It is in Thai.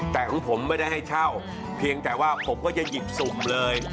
แต่ของผมไม่ได้ให้เช่าเพียงแต่ว่าผมก็จะหยิบสุ่มเลย